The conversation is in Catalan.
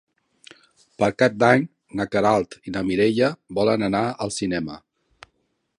Per Cap d'Any na Queralt i na Mireia volen anar al cinema.